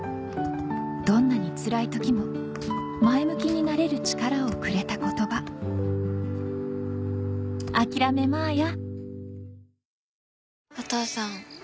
どんなにつらい時も前向きになれる力をくれた言葉「あきらめまーや！」